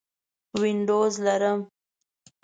وینډوز لرم